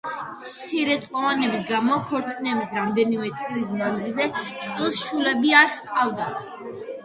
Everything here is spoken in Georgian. მცირეწლოვანების გამო, ქორწინების რამდენიმე წლის მანძილზე, წყვილს შვილები არ ჰყავდა.